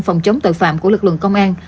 phòng chống tội phạm của lực lượng công an